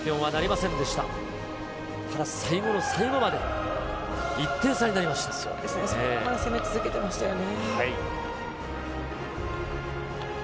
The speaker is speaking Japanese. そうですね、最後まで攻め続けていましたよね。